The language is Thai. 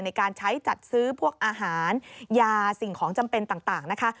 ในการใช้จัดซื้อพวกอาหารยาสิ่งของจำเป็นต่างนะคะ